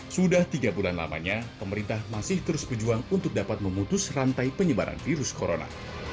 sudah tiga bulan lamanya pemerintah masih terus berjuang untuk dapat memutus rantai penyebaran virus corona